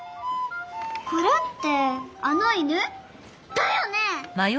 これってあの犬？だよね！